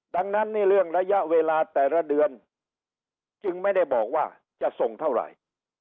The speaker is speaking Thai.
ดังนั้นนี่เรื่องระยะเวลาแต่ละเดือนจึงไม่ได้บอกว่าจะส่งเท่าไหร่